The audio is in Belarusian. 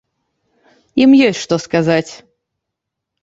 Ім ёсць што сказаць.